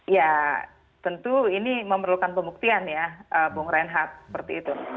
ya tentu ini memerlukan pembuktian ya bung reinhardt seperti itu